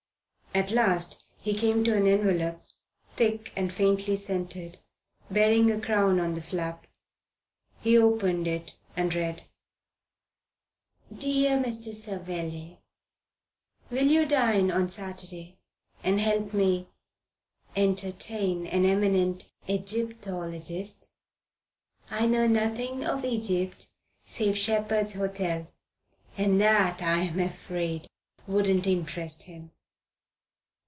At last he came to an envelope, thick and faintly scented, bearing a crown on the flap. He opened it and read: DEAR MR. SAVELLI: Will you dine on Saturday and help me entertain an eminent Egyptologist? I know nothing of Egypt save Shepheard's Hotel, and that I'm afraid wouldn't interest him.